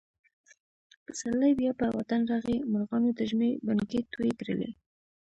پسرلی بیا په وطن راغی. مرغانو د ژمي بڼکې تویې کړلې.